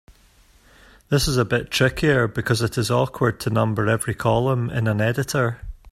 This is a bit trickier because it is awkward to number every column in an editor.